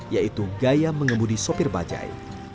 yaitu gaya mengemudi sopir bajai